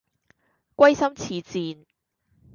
歸心似箭